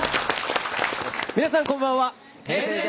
皆さん、こんばんは！